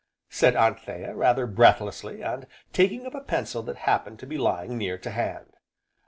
said Anthea, rather breathlessly, and taking up a pencil that happened to be lying near to hand.